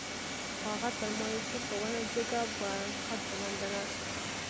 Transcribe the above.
خو هغه تر ما یو څه په ونه جګه وه، قد بلنده نرس.